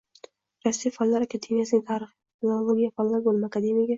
Rossiya Fanlar Akademiyasining tarixiy va filologiya fanlar bo‘limi akademigi